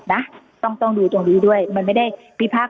ลองฟังนะครับ